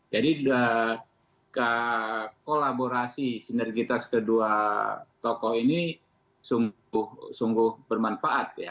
jadi kolaborasi sinergitas kedua tokoh ini sungguh bermanfaat ya